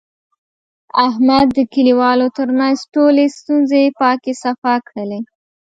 احمد د کلیوالو ترمنځ ټولې ستونزې پاکې صفا کړلې.